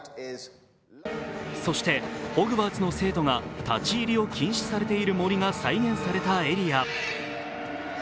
そしてホグワーツの生徒が立ち入りを禁止されている森が再現されたエリア。